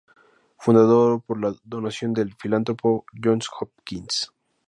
Fundado por donación del filántropo Johns Hopkins.